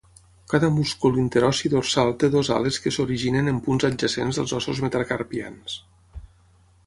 Cada múscul interossi dorsal té dues ales que s'originen en punts adjacents dels ossos metacarpians.